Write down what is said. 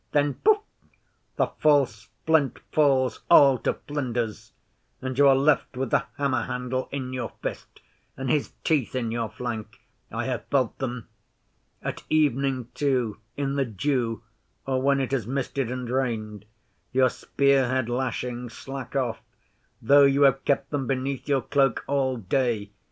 Then Pouf! the false flint falls all to flinders, and you are left with the hammer handle in your fist, and his teeth in your flank! I have felt them. At evening, too, in the dew, or when it has misted and rained, your spear head lashings slack off, though you have kept them beneath your cloak all day.